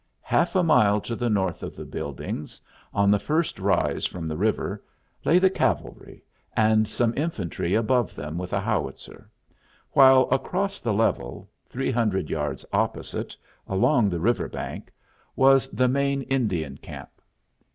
Half a mile to the north of the buildings, on the first rise from the river, lay the cavalry, and some infantry above them with a howitzer, while across the level, three hundred yards opposite, along the river bank, was the main Indian camp.